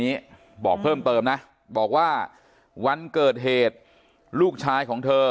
นี้บอกเพิ่มเติมนะบอกว่าวันเกิดเหตุลูกชายของเธอ